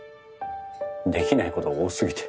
できない事が多すぎて。